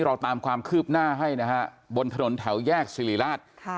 เราตามความคืบหน้าให้นะฮะบนถนนแถวแยกสิริราช